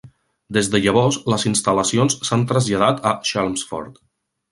Des de llavors les instal·lacions s'han traslladat a Chelmsford.